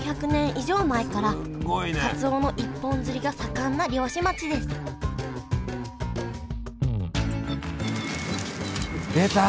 以上前からかつおの一本釣りが盛んな漁師町です出た！